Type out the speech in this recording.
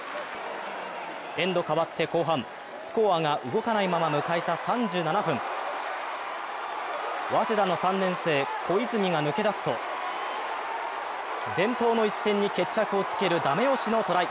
エンド変わって後半、スコアが動かないまま迎えた３７分、早稲田の３年生、小泉が抜け出すと伝統の一戦に決着をつける駄目押しのトライ。